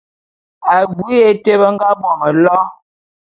Abui ya été be nga bo mélo.